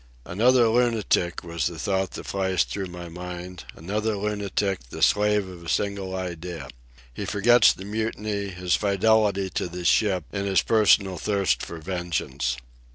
Another lunatic, was the thought that flashed through my mind; another lunatic, the slave of a single idea. He forgets the mutiny, his fidelity to the ship, in his personal thirst for vengeance.